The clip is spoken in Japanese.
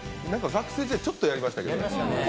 学生時代、ちょっとやりましたけど。